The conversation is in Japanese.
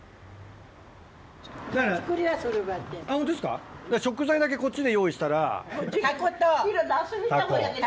ホントですか食材だけこっちで用意したら。